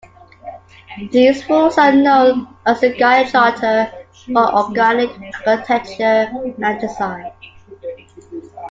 These rules are known as the "Gaia Charter" for organic architecture and design.